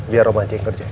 biar om bajeng kerjain ya